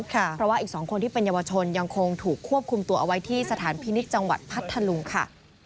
เพราะว่าอีก๒คนที่เป็นเยาวชนยังคงถูกควบคุมตัวเอาไว้ที่สถานพินิษฐ์จังหวัดพัทธลุงค่ะ